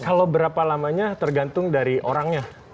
kalau berapa lamanya tergantung dari orangnya